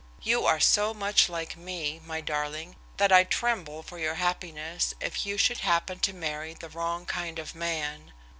You are so much like me, my darling, that I tremble for your happiness if you should happen to marry the wrong kind of man.